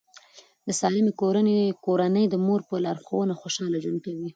د سالمې کورنۍ د مور په لارښوونه خوشاله ژوند کوي.